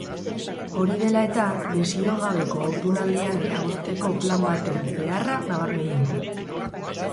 Hori dela eta, desio gabeko haurdunaldian eragozteko plan baten beharra nabarmendu du.